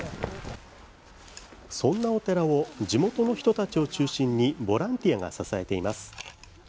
そんなお寺を地元の人たちを中心にボランティアが支えています。